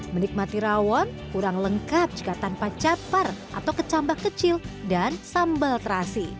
menikmati rawon kurang lengkap jika tanpa capar atau kecambak kecil dan sambal terasi